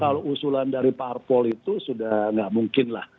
jadi usulan dari pak arpol itu sudah gak mungkin lah